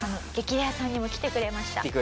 『激レアさん』にも来てくれました。